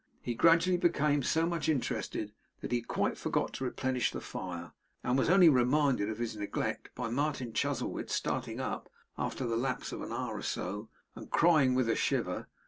He gradually became so much interested, that he quite forgot to replenish the fire; and was only reminded of his neglect by Martin Chuzzlewit starting up after the lapse of an hour or so, and crying with a shiver.